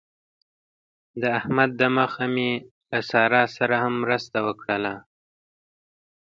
د احمد د مخه مې له سارې سره هم مرسته وکړله.